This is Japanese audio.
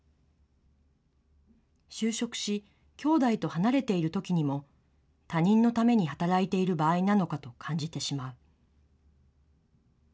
就職し、きょうだいと離れているときにも他人のために働いている場合なのかと感じてしまう。